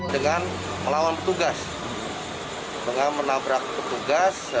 dengan melawan petugas dengan menabrak petugas